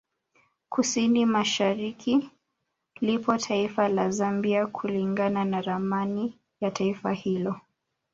Kusini masahariki lipo taifa la Zambia kulingana na ramani ya Taifa hilo